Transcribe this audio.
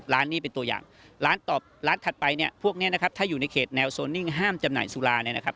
ร้านนี้เป็นตัวอย่างร้านถัดไปพวกนี้นะครับถ้าอยู่ในเขตแนวโซนิ่งห้ามจำหน่ายสุรา